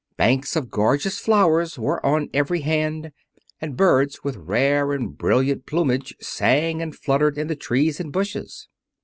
Banks of gorgeous flowers were on every hand, and birds with rare and brilliant plumage sang and fluttered in the trees and bushes.